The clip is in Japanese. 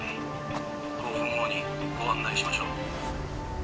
「５分後にご案内しましょう」